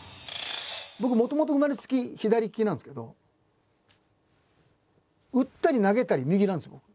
僕もともと生まれつき左利きなんですけど打ったり投げたり右なんですよ